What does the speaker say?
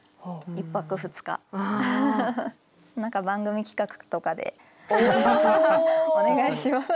何か番組企画とかでお願いします。